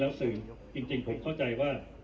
แล้วสื่อจริงผมเข้าใจว่า